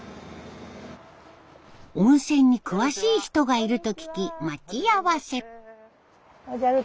温泉に詳しい人がいると聞き待ち合わせ。